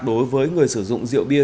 đối với người sử dụng rượu bia